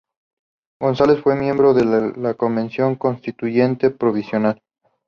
González fue miembro de la Convención Constituyente provincial.